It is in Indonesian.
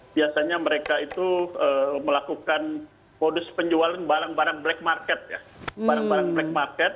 biasanya mereka itu melakukan modus penjualan barang barang black market